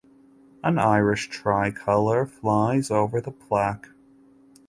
An Irish Tricolour flies over the plaque.